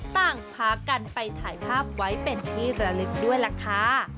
ต่างพากันไปถ่ายภาพไว้เป็นที่ระลึกด้วยล่ะค่ะ